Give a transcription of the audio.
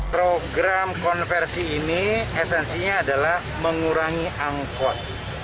program konversi ini esensinya adalah mengurangi angkot